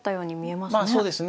まあそうですね。